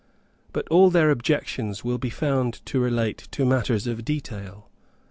But all their objections will be found to relate to matters of detail.